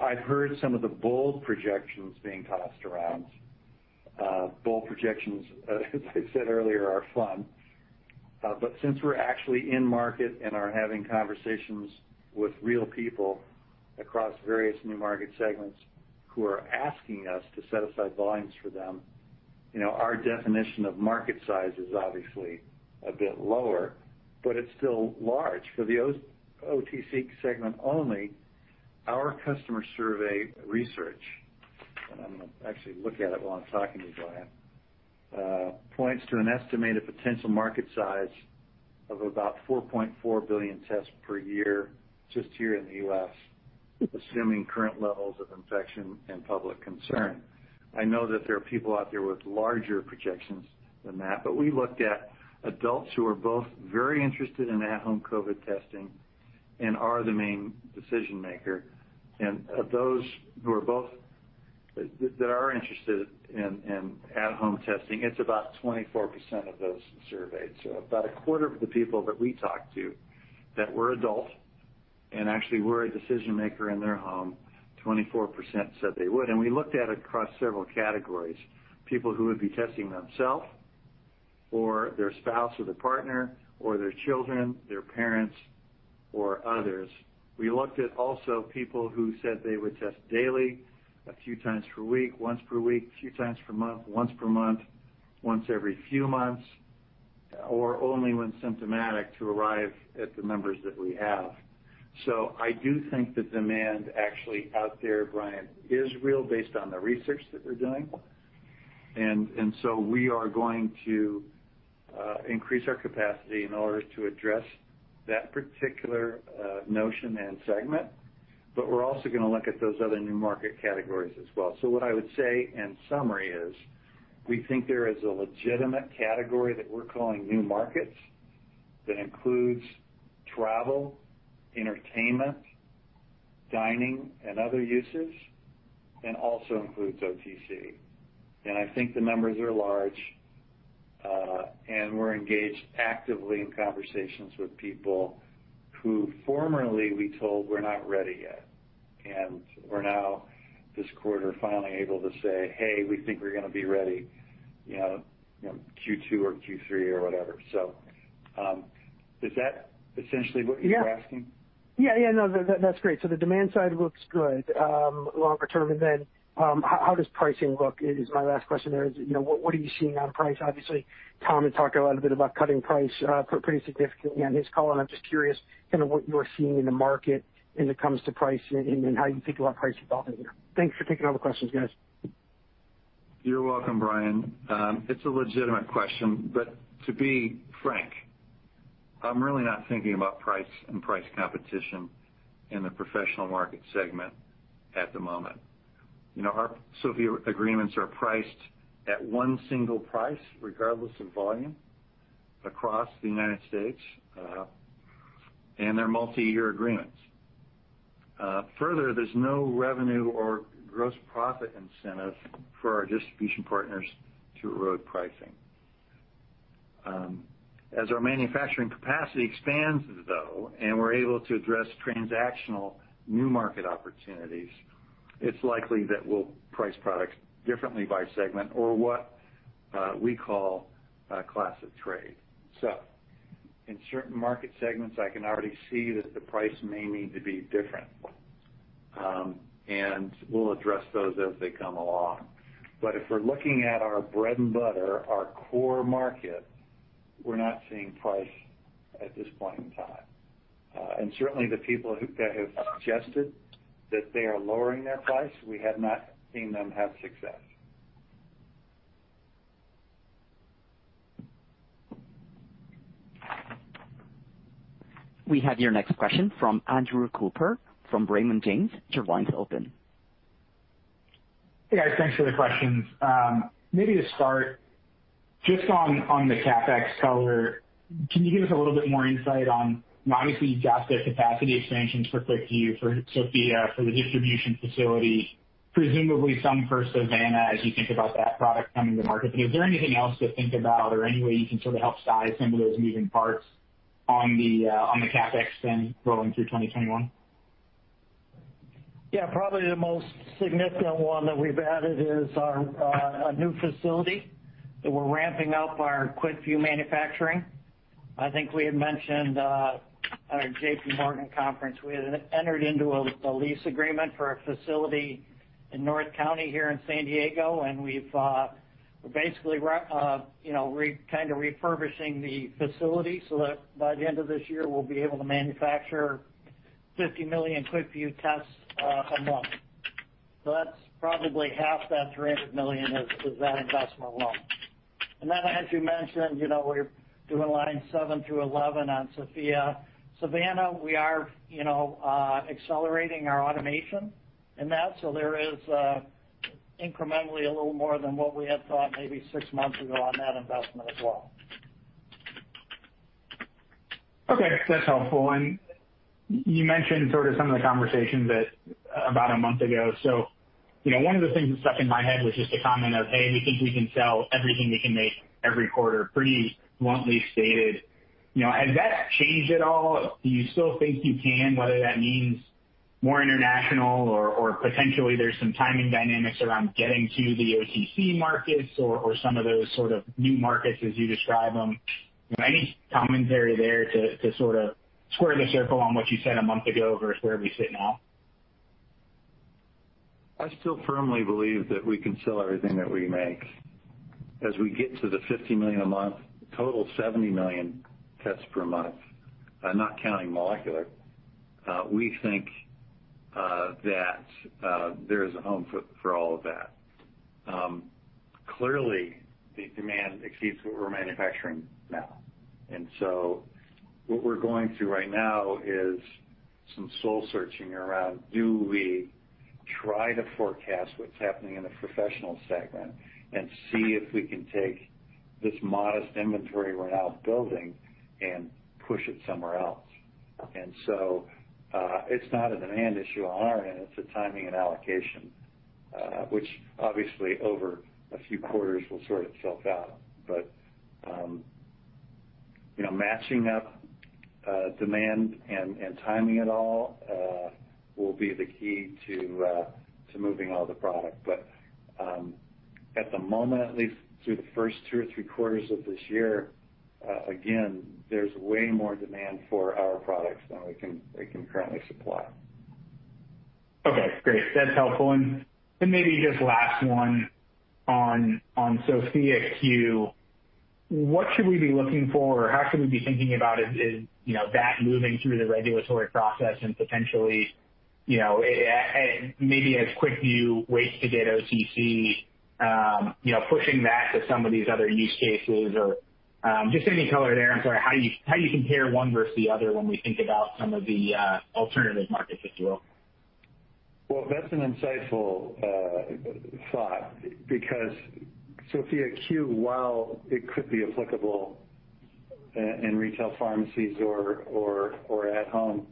I've heard some of the bold projections being tossed around. Bold projections, as I said earlier, are fun. Since we're actually in market and are having conversations with real people across various new market segments who are asking us to set aside volumes for them, our definition of market size is obviously a bit lower, but it's still large. For the OTC segment only, our customer survey research, and I'm going to actually look at it while I'm talking to you, Brian, points to an estimated potential market size of about 4.4 billion tests per year just here in the U.S., assuming current levels of infection and public concern. I know that there are people out there with larger projections than that, but we looked at adults who are both very interested in at-home COVID testing and are the main decision-maker. Of those that are interested in at-home testing, it's about 24% of those surveyed. About a quarter of the people that we talked to that were adult and actually were a decision-maker in their home, 24% said they would. We looked at it across several categories. People who would be testing themself or their spouse or their partner or their children, their parents, or others. We looked at also people who said they would test daily, a few times per week, once per week, a few times per month, once per month, once every few months, or only when symptomatic to arrive at the numbers that we have. I do think the demand actually out there, Brian, is real based on the research that we're doing. We are going to increase our capacity in order to address that particular notion and segment. We're also going to look at those other new market categories as well. What I would say in summary is we think there is a legitimate category that we're calling new markets that includes travel, entertainment, dining, and other uses, and also includes OTC. I think the numbers are large, and we're engaged actively in conversations with people who formerly we told were not ready yet, and we're now this quarter finally able to say, "Hey, we think we're going to be ready Q2 or Q3 or whatever." Is that essentially what you were asking? That's great. The demand side looks good longer-term. How does pricing look is my last question there. What are you seeing on price? Obviously, Tom had talked a little bit about cutting price pretty significantly on his call, and I'm just curious what you're seeing in the market when it comes to pricing and how you think about pricing going forward. Thanks for taking all the questions, guys. You're welcome, Brian. It's a legitimate question, to be frank, I'm really not thinking about price and price competition in the professional market segment at the moment. Our Sofia agreements are priced at one single price regardless of volume across the U.S., and they're multi-year agreements. Further, there's no revenue or gross profit incentive for our distribution partners to erode pricing. As our manufacturing capacity expands, though, and we're able to address transactional new market opportunities, it's likely that we'll price products differently by segment or what we call class of trade. In certain market segments, I can already see that the price may need to be different, and we'll address those as they come along. If we're looking at our bread and butter, our core market, we're not seeing price at this point in time. Certainly the people that have suggested that they are lowering their price, we have not seen them have success. We have your next question from Andrew Cooper from Raymond James. Your line is open. Hey, guys. Thanks for the questions. Maybe to start, just on the CapEx color, can you give us a little bit more insight on, obviously you've got the capacity expansions for QuickVue, for Sofia, for the distribution facility, presumably some for Savanna as you think about that product coming to market. Is there anything else to think about or any way you can sort of help size some of those moving parts on the CapEx then rolling through 2021? Probably the most significant one that we've added is our new facility, that we're ramping-up our QuickVue manufacturing. I think we had mentioned at our JPMorgan conference, we had entered into a lease agreement for a facility in North County here in San Diego, and we're basically kind of refurbishing the facility so that by the end of this year, we'll be able to manufacture 50 million QuickVue tests a month. That's probably half that $300 million is that investment alone. As you mentioned, we're doing line 7 through 11 on Sofia. Savanna, we are accelerating our automation in that, there is incrementally a little more than what we had thought maybe six months ago on that investment as well. Okay, that's helpful. You mentioned sort of some of the conversations about a month ago. One of the things that stuck in my head was just a comment of, "Hey, we think we can sell everything we can make every quarter," pretty bluntly stated. Has that changed at all? Do you still think you can, whether that means more international or potentially there's some timing dynamics around getting to the OTC markets or some of those sort of new markets as you describe them? Any commentary there to sort of square the circle on what you said a month ago versus where we sit now? I still firmly believe that we can sell everything that we make. As we get to the 50 million a month, total 70 million tests per month, not counting molecular, we think that there is a home for all of that. Clearly, the demand exceeds what we're manufacturing now. What we're going through right now is some soul searching around, do we try to forecast what's happening in the professional segment and see if we can take this modest inventory we're now building and push it somewhere else. It's not a demand issue on our end, it's a timing and allocation, which obviously over a few quarters will sort itself out. Matching up demand and timing it all will be the key to moving all the product. At the moment, at least through the first two or three quarters of this year, again, there's way more demand for our products than we can currently supply. Okay, great. That's helpful. Maybe just last one on Sofia Q. What should we be looking for, or how should we be thinking about it, that moving through the regulatory process and potentially, maybe as QuickVue waits to get OTC, pushing that to some of these other use cases or just any color there on sort of how you compare one versus the other when we think about some of the alternative markets, if you will? That's an insightful thought because Sofia Q, while it could be applicable in retail pharmacies or at home,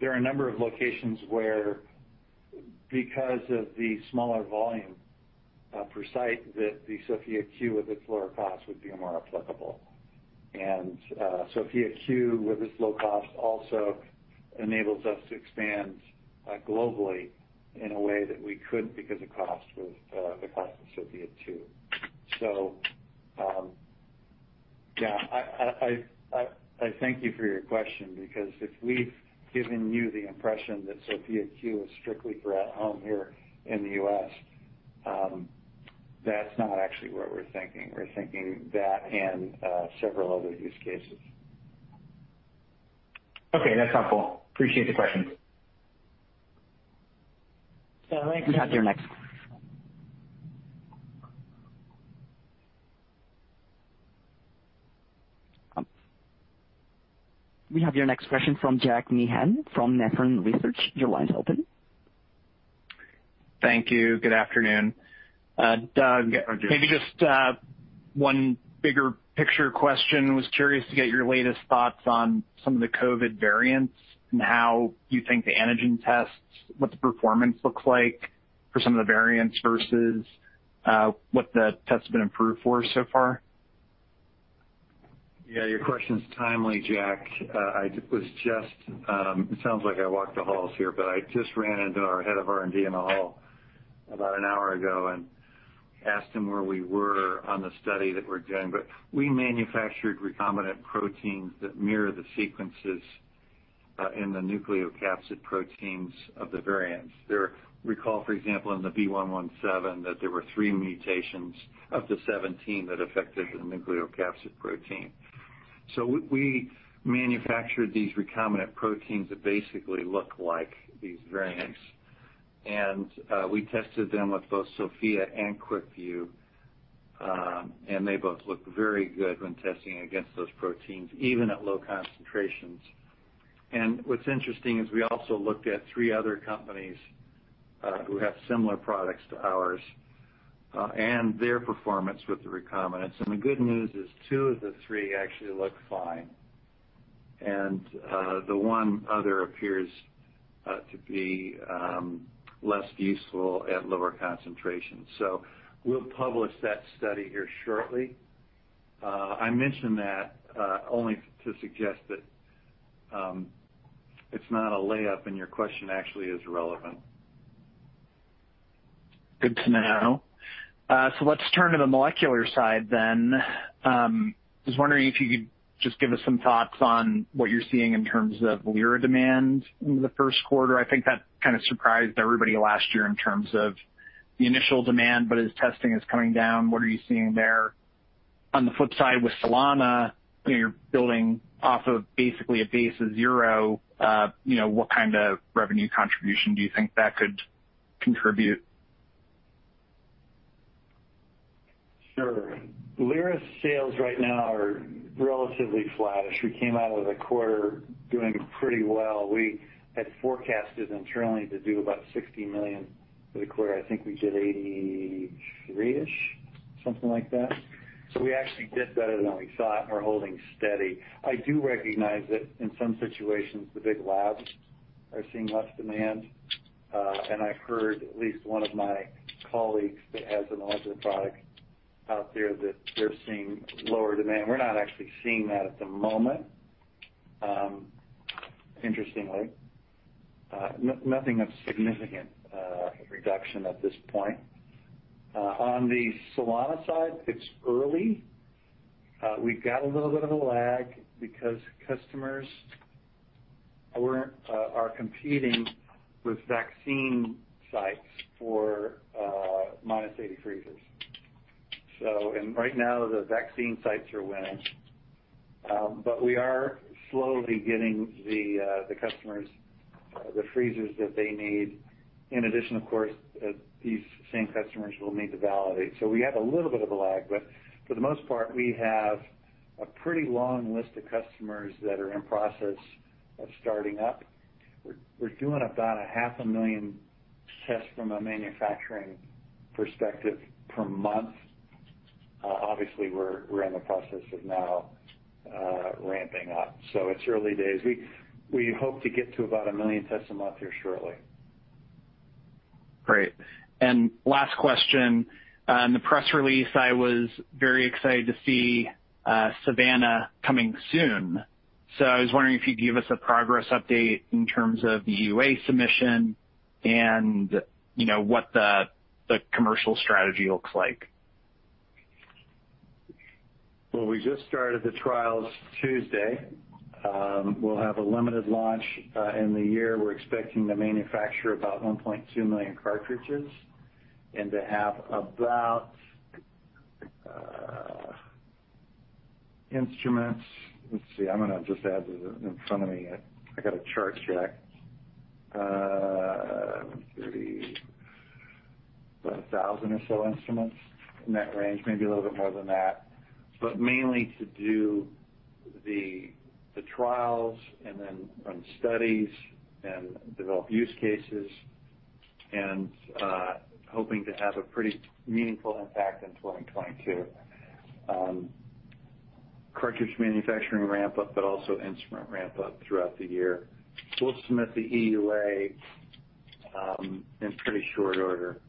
there are a number of locations where because of the smaller volume per site, that the Sofia Q with its lower cost would be more applicable. Sofia Q with its low cost also enables us to expand globally in a way that we couldn't because of the cost of Sofia 2. Yeah, I thank you for your question because if we've given you the impression that Sofia Q is strictly for at home here in the U.S., that's not actually what we're thinking. We're thinking that and several other use cases. Okay, that's helpful. Appreciate the question. Thanks. We have your next question from Jack Meehan from Nephron Research. Your line is open. Thank you. Good afternoon. Doug. Hi, Jack. Maybe just one bigger picture question. Was curious to get your latest thoughts on some of the COVID variants and how you think the antigen tests, what the performance looks like for some of the variants versus what the test has been approved for so far. Yeah, your question's timely, Jack. It sounds like I walk the halls here, but I just ran into our head of R&D in the hall about an hour ago and asked him where we were on the study that we're doing. We manufactured recombinant proteins that mirror the sequences in the nucleocapsid proteins of the variants. Recall, for example, in the B.1.1.7, that there were three mutations of the 17 that affected the nucleocapsid protein. We manufactured these recombinant proteins that basically look like these variants, and we tested them with both Sofia and QuickVue. They both look very good when testing against those proteins, even at low concentrations. What's interesting is we also looked at three other companies who have similar products to ours, and their performance with the recombinants. The good news is two of the three actually look fine. The one other appears to be less useful at lower concentrations. We'll publish that study here shortly. I mention that only to suggest that it's not a layup, and your question actually is relevant. Good to know. Let's turn to the molecular side then. Just wondering if you could just give us some thoughts on what you're seeing in terms of Lyra demand in the first quarter. I think that kind of surprised everybody last year in terms of the initial demand. As testing is coming down, what are you seeing there? On the flip side, with Solana, you're building off of basically a base of zero. What kind of revenue contribution do you think that could contribute? Sure. Lyra's sales right now are relatively flat-ish. We came out of the quarter doing pretty well. We had forecasted internally to do about $60 million for the quarter. I think we did $83-ish, something like that. We actually did better than we thought. We're holding steady. I do recognize that in some situations, the big labs are seeing less demand. I've heard at least one of my colleagues that has an ultra product out there that they're seeing lower demand. We're not actually seeing that at the moment, interestingly. Nothing of significant reduction at this point. On the Solana side, it's early. We've got a little bit of a lag because customers are competing with vaccine sites for -80 freezers. Right now the vaccine sites are winning. We are slowly getting the customers the freezers that they need. In addition, of course, these same customers will need to validate. We have a little bit of a lag, but for the most part, we have a pretty long list of customers that are in process of starting up. We're doing about 500,000 tests from a manufacturing perspective per month. Obviously, we're in the process of now ramping-up. It's early days. We hope to get to about 1 million tests a month here shortly. Great. Last question. In the press release, I was very excited to see Savanna coming soon. I was wondering if you'd give us a progress update in terms of the EUA submission and what the commercial strategy looks like. Well, we just started the trials Tuesday. We'll have a limited launch. In the year, we're expecting to manufacture about 1.2 million cartridges and to have about instruments. Let's see. I'm going to just add this in front of me. I got a chart here. Let me see. About 1,000 or so instruments in that range, maybe a little bit more than that. Mainly to do the trials and then run studies and develop use cases and hoping to have a pretty meaningful impact in 2022. Cartridge manufacturing ramp-up, but also instrument ramp-up throughout the year. We'll submit the EUA in pretty short order,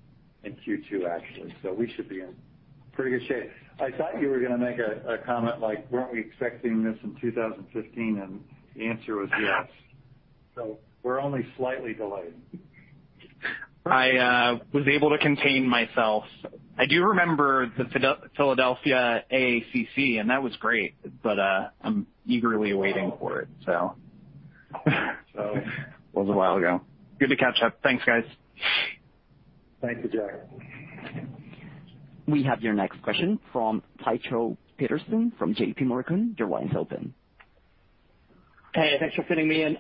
in Q2, actually. We should be in pretty good shape. I thought you were going to make a comment like, "Weren't we expecting this in 2015?" The answer was yes. We're only slightly delayed. I was able to contain myself. I do remember the Philadelphia AACC. That was great. I'm eagerly waiting for it. So. It was a while ago. Good to catch up. Thanks, guys. Thank you, Jack. We have your next question from Tycho Peterson from JPMorgan. Your line is open. Hey, thanks for fitting me in.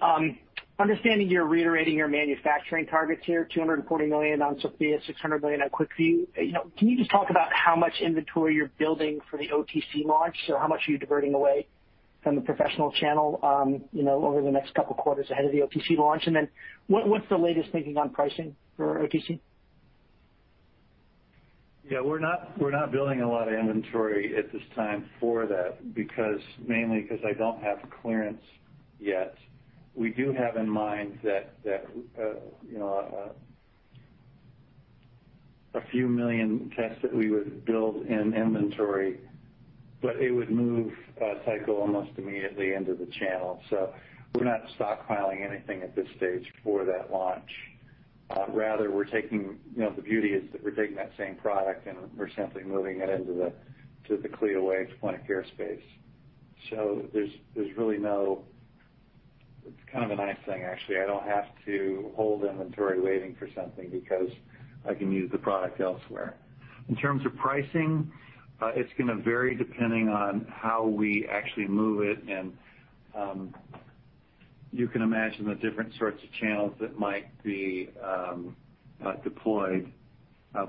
Understanding you're reiterating your manufacturing targets here, $240 million on Sofia, $600 million on QuickVue. Can you just talk about how much inventory you're building for the OTC launch? How much are you diverting away from the professional channel over the next two quarters ahead of the OTC launch? What's the latest thinking on pricing for OTC? We're not building a lot of inventory at this time for that, mainly because I don't have clearance yet. We do have in mind that a few million tests that we would build in inventory, but it would move, Tycho, almost immediately into the channel. We're not stockpiling anything at this stage for that launch. Rather, the beauty is that we're taking that same product and we're simply moving it into the CLIA waived point-of-care space. It's kind of a nice thing, actually. I don't have to hold inventory waiting for something because I can use the product elsewhere. In terms of pricing, it's going to vary depending on how we actually move it. You can imagine the different sorts of channels that might be deployed.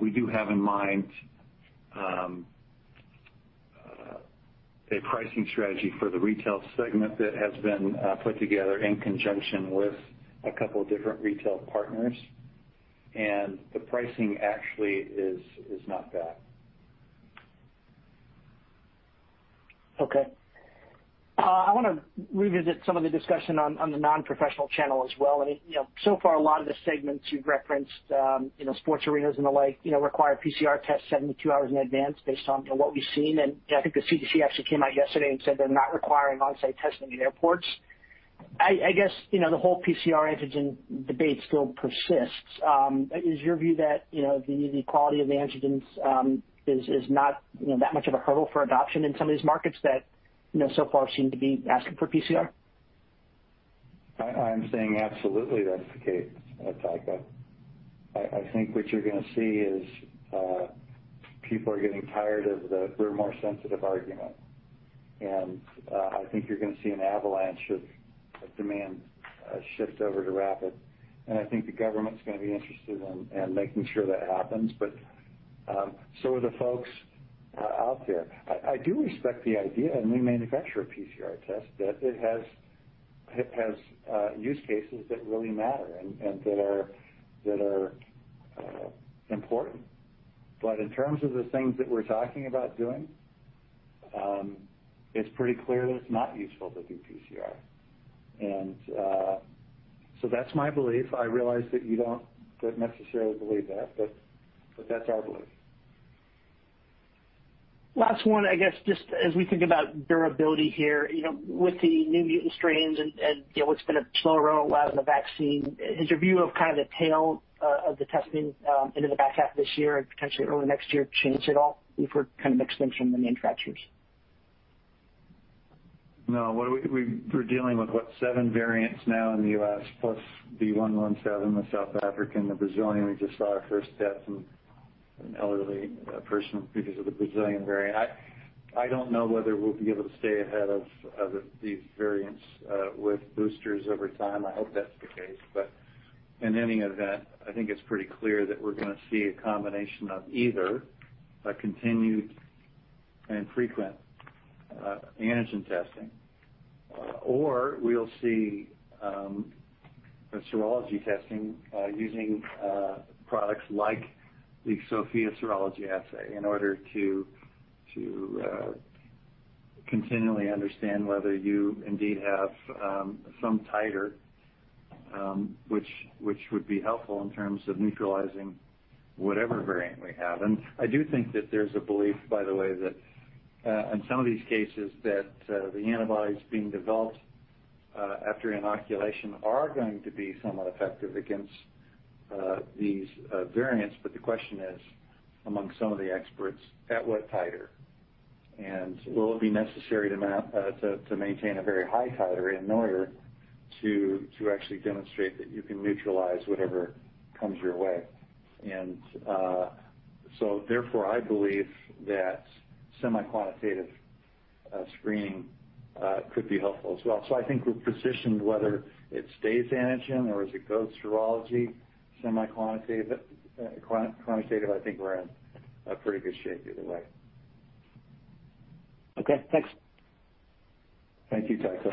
We do have in mind a pricing strategy for the retail segment that has been put together in conjunction with a couple of different retail partners. The pricing actually is not bad. Okay. I want to revisit some of the discussion on the non-professional channel as well. Far, a lot of the segments you've referenced, sports arenas and the like, require PCR tests 72 hours in advance based on what we've seen. I think the CDC actually came out yesterday and said they're not requiring on-site testing in airports. I guess, the whole PCR antigen debate still persists. Is your view that the quality of the antigens is not that much of a hurdle for adoption in some of these markets that so far seem to be asking for PCR? I'm saying absolutely that's the case, Tycho. I think what you're going to see is people are getting tired of the we're more sensitive argument, and I think you're going to see an avalanche of demand shift over to rapid. I think the government's going to be interested in making sure that happens, but so are the folks out there. I do respect the idea, and we manufacture a PCR test, that it has use cases that really matter and that are important. In terms of the things that we're talking about doing, it's pretty clear that it's not useful to do PCR. That's my belief. I realize that you don't necessarily believe that, but that's our belief. Last one, I guess, just as we think about durability here, with the new mutant strains and what's been a slow rollout of the vaccine, has your view of the tail of the testing into the back half of this year and potentially early next year changed at all if we're kind of mixing some of the manufacturing? No. We're dealing with, what, seven variants now in the U.S. plus B.1.1.7, the South African, the Brazilian, we just saw our first death in an elderly person because of the Brazilian variant. I don't know whether we'll be able to stay ahead of these variants with boosters over time. I hope that's the case. In any event, I think it's pretty clear that we're going to see a combination of either a continued and frequent antigen testing, or we'll see a serology testing using products like the Sofia Serology Assay in order to continually understand whether you indeed have some titer, which would be helpful in terms of neutralizing whatever variant we have. I do think that there's a belief, by the way, that in some of these cases that the antibodies being developed after inoculation are going to be somewhat effective against these variants. The question is, among some of the experts, at what titer? Will it be necessary to maintain a very high titer in order to actually demonstrate that you can neutralize whatever comes your way? I believe that semi-quantitative screening could be helpful as well. I think we're positioned, whether it stays antigen or as it goes serology, semi-quantitative, I think we're in a pretty good shape either way. Okay, thanks. Thank you, Tycho.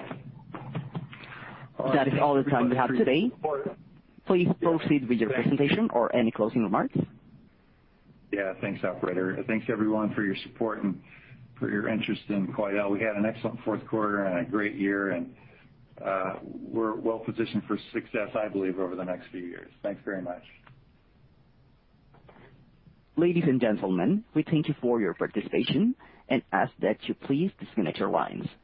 That is all the time we have today. Please proceed with your presentation or any closing remarks. Yeah. Thanks, operator. Thanks, everyone, for your support and for your interest in Quidel. We had an excellent fourth quarter and a great year, and we're well positioned for success, I believe, over the next few years. Thanks very much. Ladies and gentlemen, we thank you for your participation and ask that you please disconnect your lines.